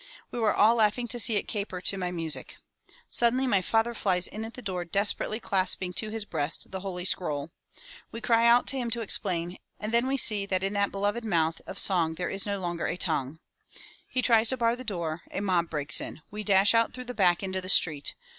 We were all laughing to see it caper to my music. Suddenly my father flies in at the door, desperately clasping to his breast the Holy Scroll. We cry out to him to explain, and then we see that in that beloved mouth of song there is no longer a tongue! He tries to bar the door, a mob breaks in — we dash out through the back into the street.